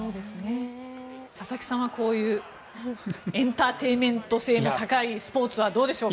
佐々木さんはこういうエンターテインメント性の高いスポーツはどうでしょうか。